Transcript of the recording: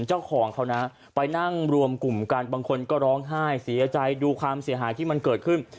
เจ้าของเขานะไปนั่งรวมกลุ่มกันบางคนก็ร้องไห้เสียใจดูความเสียหายที่มันเกิดขึ้น